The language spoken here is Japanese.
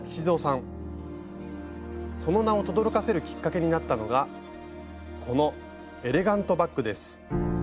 その名をとどろかせるきっかけになったのがこの「エレガントバッグ」です。